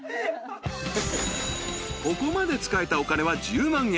［ここまで使えたお金は１０万円。